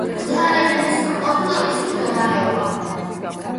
ღვთაებრივი სრულყოფილების მდგომარეობა.